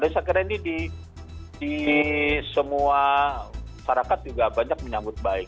saya kira ini di semua masyarakat juga banyak menyambut baik